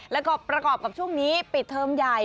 แล้วก็ประกอบกับช่วงนี้ปิดเทอมใหญ่